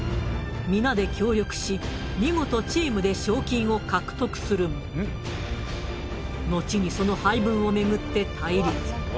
皆で協力し見事チームで賞金を獲得するものちにその配分を巡って対立。